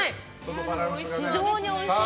非常においしい。